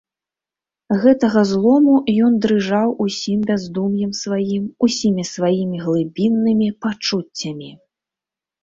Гэтага злому ён дрыжаў усім бяздум'ем сваім, усімі сваімі глыбіннымі пачуццямі.